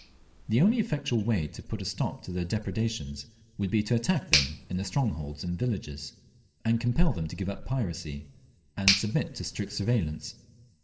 The only effectual way to put a stop to their depredations would be to attack them in their strongholds and villages, and compel them to give up piracy, and submit to strict surveillance.